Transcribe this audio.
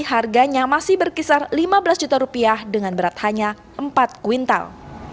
harganya masih berkisar rp lima belas dengan berat hanya empat kuintal